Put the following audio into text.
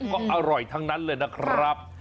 ก็อร่อยทั้งนั้นเลยนะครับ